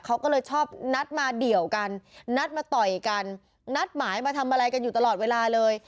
เขาก็เลยชอบนัดมาเดี่ยวกันนัดมาต่อยกันนัดหมายมาทำอะไรกันอยู่ตลอดเวลาเลย